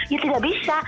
ya tidak bisa